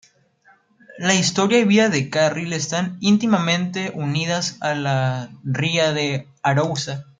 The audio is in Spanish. La historia y vida de Carril, están íntimamente unidas a la Ría de Arousa.